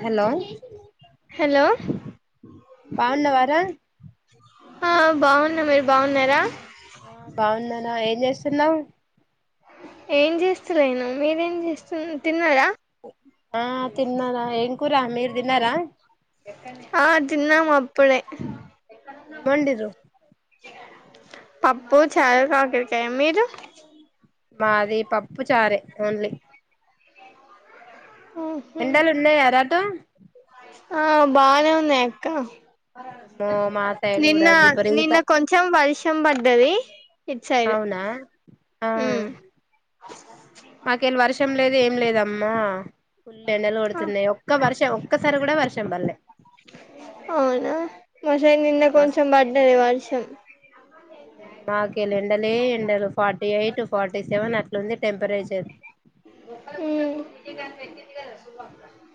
Hello hello బావున్నావర ఆ బావున్నా మీరు బావున్నారా ఆ బావున్న ఆ ఏం చేస్తున్నావు ఏం చేస్తలేను మీరేం చేస్తు తిన్నారా ఆ తిన్నరా ఏం కుర మీరు దిన్నారా ఆ తిన్నాం అప్ ప్పుడే ఏమొండిర్రు పప్పు చారు కాకరికాయ మీరు మాది పప్పు చారే ఓన్లీ ఉహు. ఎండలు ఉన్నాయార అటు ఆ బానే ఉన్నాయ్ అక్క అమ్మో మా సైడ్ నిన్న కూడా విపరీత నిన్న కొంచెం వర్షం పడ్డది ఇటు సైడ్ అవునా మాకేల్ వర్షం లేదు ఏం లేదమ్మా ఫుల్లు ఎండలు కోడుతున్నాయి ఒక్క వర్షం ఒక్కసారి కూడ వర్షం బల్లే అవునా మా సైడ్ నిన్న కొంచెం బడ్డది వర్షం మా ఇయ్యాల ఎండలే ఎండలు ఫార్టీ ఎయిట్ ఫార్టీ సెవెన్ అట్లఉంది టెంపరేచర్ ఉమ్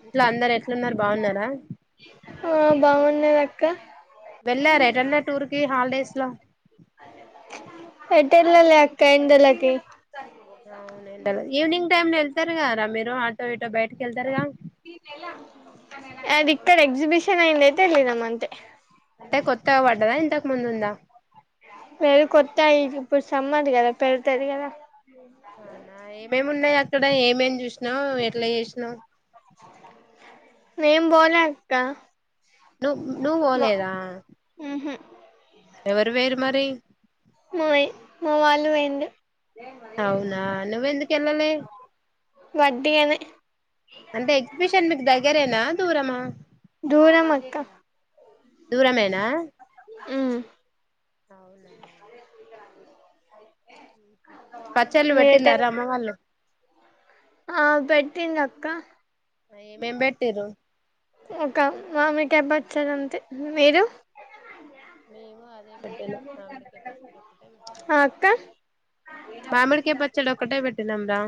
ఇంట్లో అందరు ఎట్లున్నరు బావున్నారా క్క వెళ్ళారా ఏటన్నా టూర్ కి హల్డేస్ ట్లా ఎటెళ్ళాలే అక్క ఎండలకి ఈవినింగ్ టైం ఎన్ వెళ్తారు కారా మీరు ఆటో ఇటో బయటకి వెళ్తారుగా అది ఇక్కడ ఎగ్జిబిషన్ అయ్యింది అయితే ఎల్లినం అంతే అంటే కొత్తగా పడ్డదా ఏంది తాకు ముందు ఉందా వెళ కొత్తాయి ఇప్పుడు సమ్మర్ కదా పెడతది కదా అవునా ఏమేమి ఉన్నాయా ఇక్కడ ఏమేమి చూసినా ఎట్లా చేసినా నేను పోలే అక్క నువ్ నువ్వు పోలేదా ఎవరు పోయిర్రు మరి మూవీ మువ్వల నువ్వెందు అవునా నువ్వ ఎందుకు ఎల్లలే వట్టిగానే అంటే ఎగ్జిబిషన్ మీకు దగ్గరేనా దూరమా దూరం అక్క దూరమేనా మ్ అవునా పచ్చళ్ళు మీరేటన్ పెట్టిలారా అమ్మ వాళ్లు ఆ పెట్టింది అక్క అ మేంబ పెట్టిర్రు టబ్బచ్చార అంతే మీరు మామిడికాయ పచ్చడి ఆ అక్క మామిడికాయ పచ్చడి ఒక్కటే పెట్టినాం రా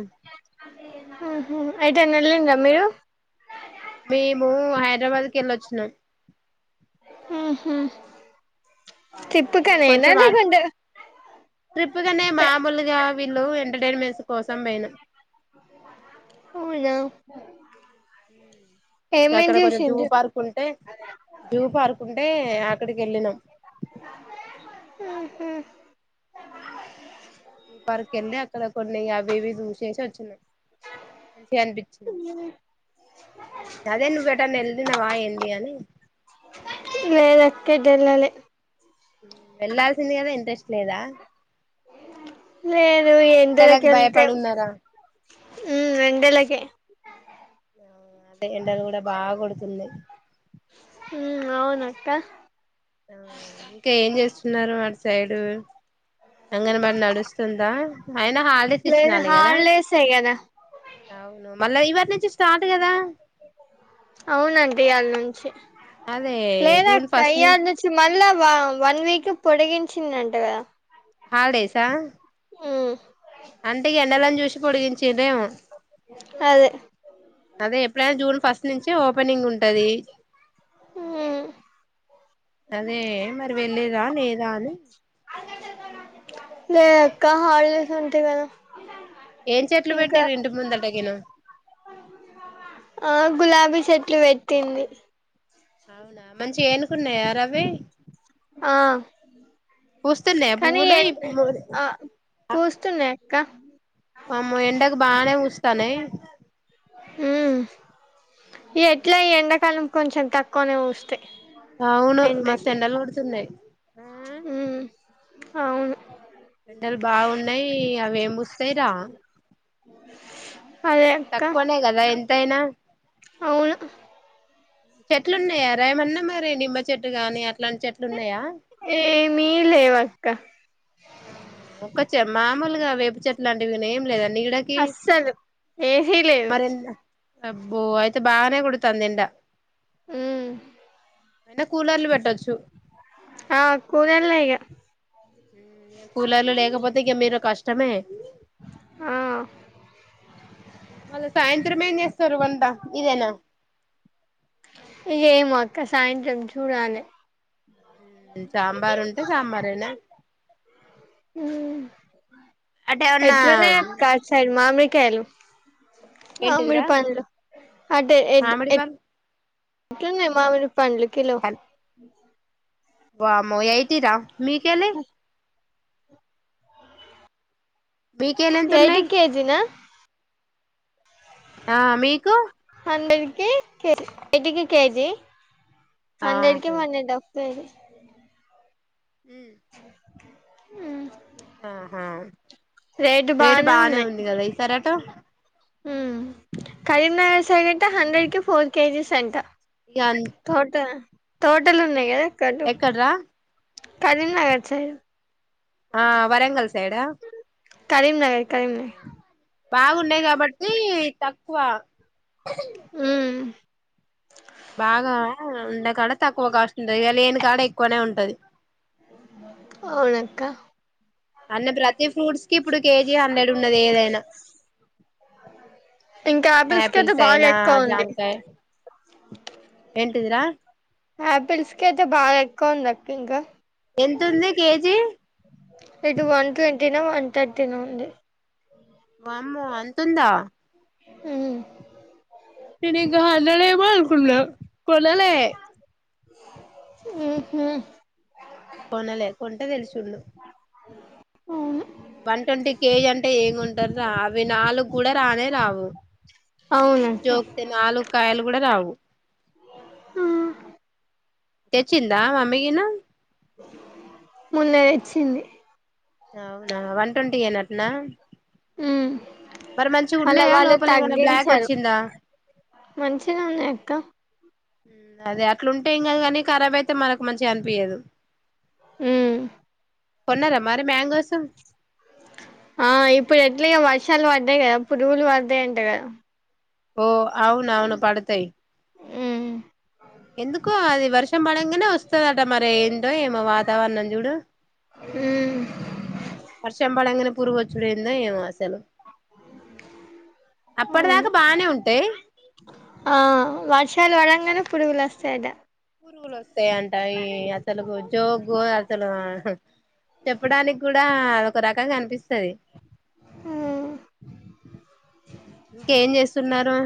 ఉహు ఎటైనా ఎల్లిండ్రా మీరు మేము హైదరాబాద్ కి వెళ్లి వచ్చినం ఉహా ట్రిప్పుగానే పె మామూలుగా వీళ్లు ఎంటర్‌టైన్మెంట్ కోసం పోయిన అవునా ఇంకా ఏమేం అక్కడ కొంచెం జూ చూసిండ్రు పార్క్ ఉంటే జూ పార్క్ ఉం టే ఆగ్ ఇక్కడికి ఎల్లినం ఉహు పర్కు వెళ్ళి అక్కడ కొన్ని అవి ఇవి చూసేసి వచ్చినం మంచిగా అనిపించింది అదే నువ్వు ఏటన్న వెళ్ళినావా ఏంది నీ అని లేదు అక్క [unintelligible] వెళ్లాల్సింది కదా ఇంట్రెస్ట్ లేదా నేను ఎండెలకి ఎండలకు వెళ్తే భయపడున్నారా ఎండెలకి అదే ఎండలు కూడా బాగా కొడుతుంది హ అవున అక్క ఇంకా ఏం చేస్తున్నారు వా సైడు అంగన్బడి నడుస్తుందా ఆయన హాలిడేస్ లేదు ఇచ్చినాలి కదా హాలిడేసే కదా అవును మల్ల ఇవల నుంచి స్టార్ట్ కదా అవునండి ఇయాల నుంచి చె అదే లేదు జూన్ అక్క ఫస్ట్ ను ఇయ్యాల నుంచి మళ్ళ వన్ వీక్ పొడిగించిందంట కదా హాలిడేస్ ఆ ఉమ్ అంటే ఎండలు అని చూసి పొడిగించి అదే అదే ఎప్పుడైనా జూన్ ఫస్ట్ నుంచి ఓపెనింగ్ ఉంటది ఉమ్ అదే మరివే తె లేదా లేదా అని లే అక్క హడలేసు ఉంటే కదా ఏం చెట్లు పెట్టి ఇంకా ఇంటి ముందటగనా ఆ గులాబీ చెట్లు పెట్టింది అవునా మంచిగా ఏనుకున్నాయా రా అవి ఆ పూస్తున్నాయా కానీ పువ్వులు ఆ పూస్తున్నాయి కా అమ్మో ఎండగ్ బానే పోస్తున్నాయి ఉ ఎట్లా ఈ ఎండాకాలం కొంచెం తక్కువనే వస్తాయి ఆవును మస్త్ ఎండలు పడుతున్నాయి ఉ అవును ఎండలు బాగున్నాయి అవేం పూస్తాయి రా [unintelligible] అదే అక్క తక్కువనే కదా ఎంతైనా అవును చెట్లు ఉన్నాయి ఆడ ఏమన్న మరి నిమ్మ చెట్టుగానీ ఏమిీ లేవాక్క ఆమ్ ఒకె చ్ మామూలుగా వేప చెట్లాంటివి వెన్ ఏం లేదండి నీడకీ అస్సలు ఏసీ లేదు మరి ఇంద అబ్బో అయితే బానే కొడుతాంది ఎండ అ మ్మ్ అయిన కూలర్ లు పెట్టచ్ ఆ కూలర్లే ఇగ కూలర్లు లేకపోతే గ మీరు కష్టమే ఆ మళ సాయంత్రం మేన్ జేస్ చెరువంట ఇదేనా ఇదేమో అక్క సాయంత్రం చూడాలె సాంబార్ ఉంటే సాంబారేనా హ్మ్ అటే ఏమన్నా ఎట్లునయ్ అక్క సాయిడ్ మామిడ్ కాలు మామిడి ఏంటిదిరా పండ్లు అంటే ఎట్ మామిడి ఎట్ ఎట్లున్నయ్ మామిడి పండ్లు కిలో వామో ఏయ్టీ రా మీ కేలి మీకెళ్ళి ఎంత ఎయ్టీ ఉన్నాయి కేజిన ఆ మీకు అందరికీ కేజీ ఎదికి కేజీ హండ్రెడ్కి ఆహా వన్ అండ్ హాఫ్ సరే హ్మ్ హ్మ్ ఆహా రేటు బానే ఉన్నయ్ త హ్మ్ కరీంనగర్ సగంట హండ్రెడ్ కి ఫోర్ కేజీస్ సంట ఇగ అన్ తోట టోటల్ ఉన్నాయ్ గదా ఎక్కడ్రా కరీంనగర్ సైడ్ ఆ వరంగల్ సైడా కరీంనగర కీంనాగర్ బాగున్నాయి కాబట్టి తక్కువ మ్మ్ బాగా ఉండే కాడ తక్కువ కాస్ట్ ఉంటంది ఇ లేని కాడ ఎక్కువనే ఉంటది అవునక్క అన్న ప్రతి ఇ ఫ్రూట్స్ కి ఇప్పుడు కేజీ హండ్రెడ్ ఉన్నది ఏదైనా ఇంకా ఆపిల్స్ కి అయితే యాపీల్స్ బాగా అయినా ఎక్కువ ఉంది జామకాయ ఏంటిదిరా ఆపిల్స్ కి అయితే బాగా ఎక్కువ ఉంది అక్క ఇంకా ఎంత ఉంది కేజీ ఇటు వన్ ట్వంట దినం వన్ థర్ట్ నో ఉంది వామ్మో అంతా ఉందా మ్మ్ తని గహాలడ వాళ్ళ కుంంల కొలాలే మ్మ్ హ్మ్ కొనలే కొంటె తెలుసుండు అవును వన్ ట్వంటీ కేజీ అంటే ఏకొంటారా అవి నాలుగు కూడా రానే రావు అవునక్క జకుతే నాలుకాయలు కూడా రావు హ్మ్ తెచ్చిందా మమ్మగినా మున్నతేచ్చింది అవునా వన్ ట్వంటీ ఏ నట్నా ఉ అళ్ళ వాళ్ళు లోపల ఏమన్నా బ్లాక్ తగ్గించారు వచ్చిందా మంచినే ఉన్నాయి అక్క అదే అట్లాంటే ఎంగదు కాని కారాబ్ అయితే మనకు మంచిగా అనిపియాదు హ్మ కోన్నార మరి మాంగోసు ఆ ఇప్పుడు ఎట్లా వర్షాలు పడ్డాయి కదా పురుగులు పడ్తయి అంట కదా ఓ అవును అవును పడతాయి ఉమ్ ఎందుకో అది వర్షం పడంగానే వస్తుందట మరి ఏంటో ఏమో వాతావరణం చూడు మ్మ్ వర్షం పడంగానే పురుగుచ్చుడయిందా ఏమో అసలు అప్పటి అవును దాకా బానే ఉంటాయి చాలా అడంగానే పురుగులు వస్తాడ పరుగులు వస్తాయంట ఈ అసాలుకు జోగు అసాలు చెప్పడానికి కూడా ఒక రకంగా అనిపిస్తాది ఉమ్ [unintelligible] ఇంకేం చేస్తున్నారు.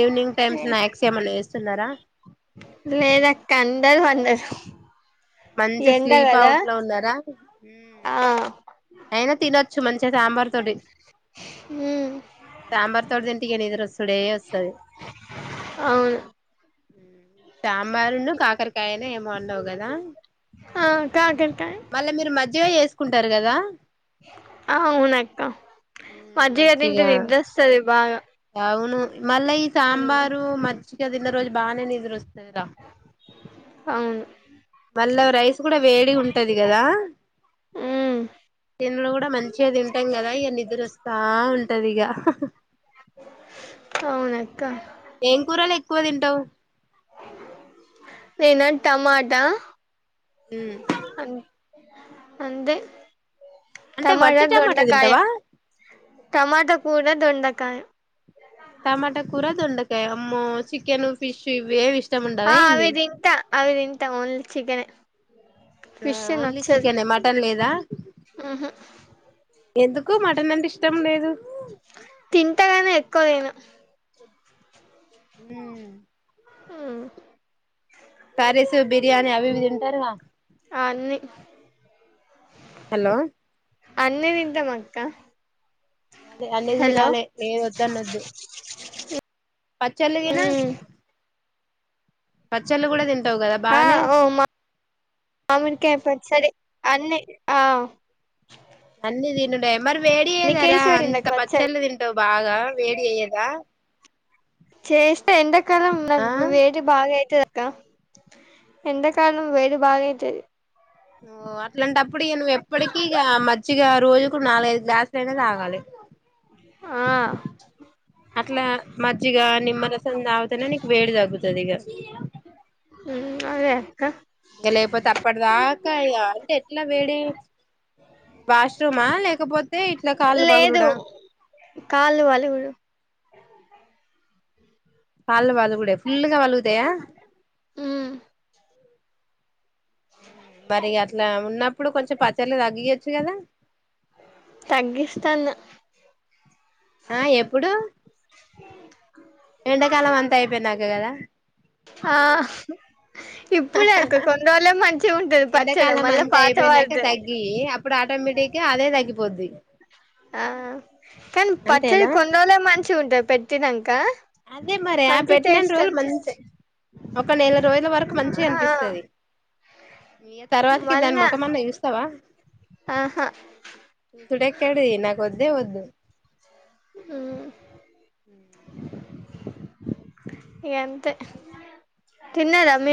ఈవినింగ్ టైమ్స్ స్నాక్స్ ఏమన్నా చేస్ స్తున్నారా లేదక్క అందరూ అందరు మంచి ఎండ స్లీప్ కదా అవుట్ లో ఉన్నారా ఆ అయినా తినొచ్చు మంచిగా సాంబార్ తోటి ఉమ్ సాంబార్ తోటి తింటే ఇగా నీదోరస్తూడే వస్తది. అవును హ్మ్ సాంబారున్నా కాకరకాయనా ఏమో అన్నావ్ కదా ఆ కాకర్ మళ్ళా మీరు మధ్య [unintelligible] చేసుకుంటారు. కదా ఆ అవునక్క హ్మ్ మజ్జిగ తింటే మజ్జిగా నిద్రొస్తది బాగా అవును మళ్ళా ఈ ఉమ్ సాంబారు మజ్జిగా తిన్న రోజు బాగానే నిద్ర వస్తది రా అవును మళ్ళా రైస్ కూడా వేడి ఉంటది. కదా ఉమ్ ఇందులో కూడా మంచిగా తింటాం. కదా ఇగా నిద్ర వ బా ఉంటది. ఇగా అవునా ఏం కూరలు ఎక్కువ తి త్ నేనా టమాటా హ్మ్ అం అంతే అంటే టమాట, వట్టి టమాటా దొండకాయ తింటావా టమాట కూరా దొండకాయ కాదు టమాటా కూరా దొండకాయ అమ్మో చికెన్, ఫిష్ ఇ ఆ అవి తింటా అవి తింటా ఓన్లీ చికనే ఆ ఓన్లీ చికెన్ యే మటన్ లేదా ఉహు ఎందుకు మటన్ అంటే ఇష్టం లేదు. తింటాగానే ఎక్కువ తినా హ్మ్ హ్మ్ కర్రీస్, బిర్యానీ అవి ఇవి తింటార్ కా అన్ని హలో అన్ని తింటాం అక్క అదే అన్ని హలో దినాలి ఏ వద్దు అన్నద్దు పచ్చళ్ళు తిను ఉమ్ ఆ ఓ మా మామిడికాయ పచ్చడి అన్ని ఆ అన్ని తినుడే మరి వేడి చేయదారా నీకేసి పెట్టింది అంత అక్క పచ్చడి పచ్చల్లు తింటవ్ బాగా గా వేడి చెయ్యదా చేస్త ఎండాకాలం నాకు వేడి బాగా అయిత క ఎండాకాలం వేడి బాగా అయితది ఓ అట్లాంటప్పుడు ఇగ నువ్వు ఎప్పటికిీ ఇగ మజ్జిగా రోజుకు నాలుగైదు గ్లాసుల అయినా తాగాలే ఆ అట్లా మజ్జిగ నిమ్మ రసం తాగుతానే నీకు వేడి తగ్గుతది ఇగ క ఇంకా లేకపోతే అప్పటిదాకా ఇగ అంటే ఎట్లా వేడి వాష్రూమా లేకపో లేదు కళ్ళు పలుగుడు కాళ్ళు పలుగుడే ఫుల్గా వలుగుతయా [inaudible] ఉమ్ మరి అట్లా ఉన్నప్పుడు కొంచెం పచ్చర్లు తగియోచ్చు గదా తగ్గిస్తాను ఆ ఎప్పుడు ఎండాకాలం అంత అయిపోయినాక గదా ఆ హ్ ఇప్పుడే అక్క కొన్ని రోజులే మ ఎండాకాలం అంతా అయిపోయినాక తగ్గి అప్పుడు ఆటోమేటిక్గా అదే తగ్ పోద్ది ఆ కాన్ పచ్చడి కొన్ని రోలే మంచి ఉంటాయి పెట్టినంక అదే మరి ఆ మంచి పెట్టినన్ని టేస్ట్ రోజులు మంచి అనిపిస్తాయి ఒక నెల రోజుల వరకు మంచిగ ఆ అనిపిస్తది నీ తర్వాతకి దాని మళ్ళా ముఖమన్న చూస్తవా ఆహా చూసుడె ఎక్కడిది నాకు వద్దే వద్దు ఇగ అంతే తిన్నరా మీ